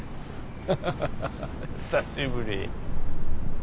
ハハハハハハ久しぶり。